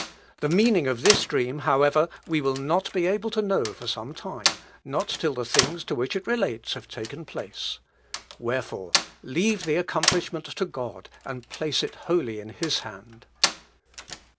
The meaning of this dream, however, we will not be able to know for some time; not till the things to which it relates have taken place. Wherefore, leave the accomplishment to God, and place it wholly in his hand."